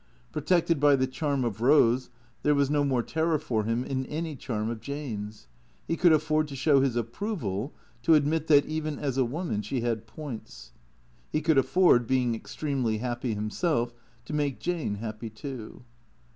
Protected by the charm of Eose, there was no more terror for him in any charm of Jane's. He could afford to show his approval, to admit that, even as a woman, she had points. He could afford, being extremely happy himself, to make Jane happy too.